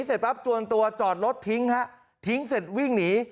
เสร็จปั๊บจวนตัวจอดรถทิ้งฮะทิ้งเสร็จวิ่งหนี